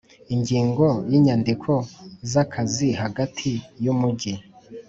Ingingo ya inyandiko z akazi hagati y umujyi